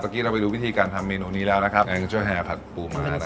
เมื่อกี้เราไปดูวิธีการทำเมนูนี้แล้วนะครับแองเจ้าแห่ผัดปูม้านะครับ